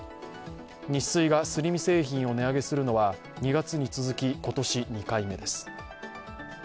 ニッスイがすり身製品を値上げするのは２月に続き今年２回目です。